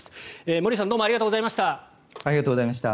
森内さん、どうもありがとうございました。